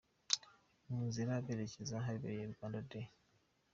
Mu nzira berekeza ahabereye Rwanda Day.